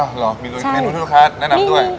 อ๋อเหรอมีเมนูทุกนั้นด้วย